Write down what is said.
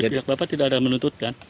jadi bapak tidak ada menuntut kan